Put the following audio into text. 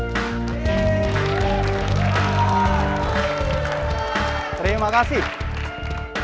dan peserta masing masing akan saling menang